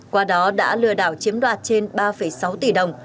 qua đó đã lừa đảo chiếm đoạt trên ba sáu tỷ đồng